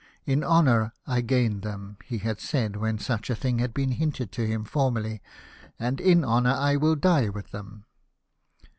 " In honour I gained them," he had said when such a thing had been hinted to him formerly, " and in honour I will die with them."